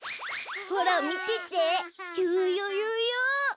ほらみてていうよいうよ。